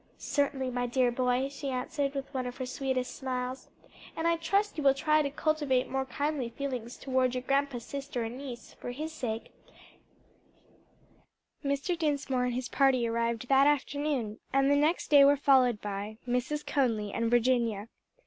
"Certainly, my dear boy," she answered with one of her sweetest smiles, "and I trust you will try to cultivate more kindly feelings toward your grandpa's sister and niece, for his sake, and because it is a Christian duty." Mr. Dinsmore and his party arrived that afternoon, and the next day were followed by Mrs. Conly and Virginia.